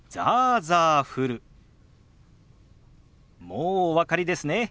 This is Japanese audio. もうお分かりですね。